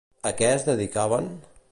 A què es dedicaven?